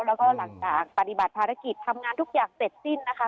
แล้วก็หลังจากปฏิบัติภารกิจทำงานทุกอย่างเสร็จสิ้นนะคะ